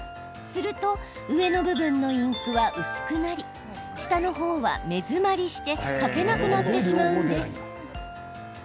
すると、上の部分のインクは薄くなり下の方は目詰まりして書けなくなってしまうんです。